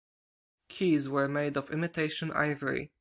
Keys were made of imitation ivory.